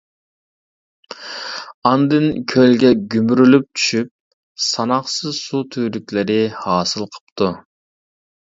ئاندىن كۆلگە گۈمۈرۈلۈپ چۈشۈپ، ساناقسىز سۇ تۈۋرۈكلىرى ھاسىل قىپتۇ.